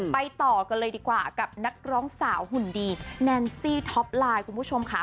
ต่อกันเลยดีกว่ากับนักร้องสาวหุ่นดีแนนซี่ท็อปไลน์คุณผู้ชมค่ะ